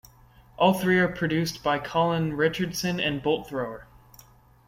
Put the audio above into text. All three are produced by Colin Richardson and Bolt Thrower.